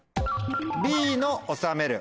Ｂの「納める」。